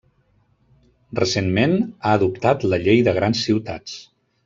Recentment ha adoptat la Llei de Grans Ciutats.